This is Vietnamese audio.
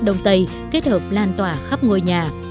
đông tây kết hợp lan tỏa khắp ngôi nhà